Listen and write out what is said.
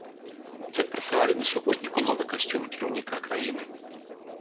Ці адпрацавалі на суботніку новы касцюм кіраўніка краіны?